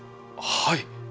はい！